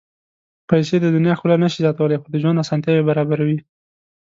پېسې د دنیا ښکلا نه شي زیاتولی، خو د ژوند اسانتیاوې برابروي.